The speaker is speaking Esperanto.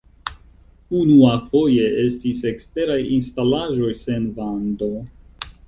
Unuafoje estis eksteraj instalaĵoj sen vando.